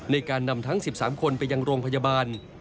ในการนำทั้ง๑๓คนไปยังโรงพยาบาล